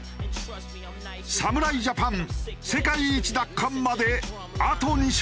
侍ジャパン世界一奪還まであと２勝。